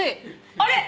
あれ？